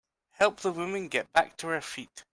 Help the woman get back to her feet.